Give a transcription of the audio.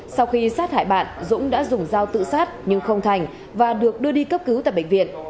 sau khi sát hại bạn dũng đã dùng dao tự sát nhưng không thành và được đưa đi cấp cứu tại bệnh viện